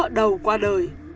người vợ đầu qua đời